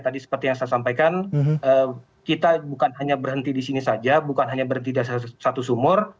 tadi seperti yang saya sampaikan kita bukan hanya berhenti di sini saja bukan hanya berhenti di satu sumur